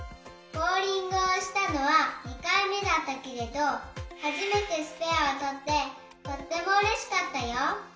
ボウリングをしたのは２かいめだったけれどはじめてスペアをとってとってもうれしかったよ。